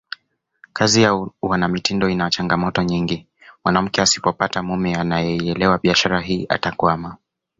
Kazi ya uanamitindo ina changamoto nyingi mwanamke asipopata mume anayeielewa biashara hii atakwama